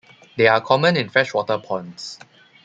They are common in freshwater ponds.